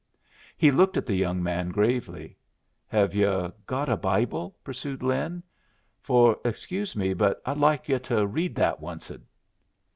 He looked at the young man gravely. "Have yu' got a Bible?" pursued Lin. "For, excuse me, but I'd like yu' to read that onced."